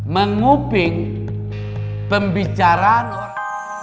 menguping pembicaraan orang